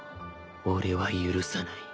俺は許さない。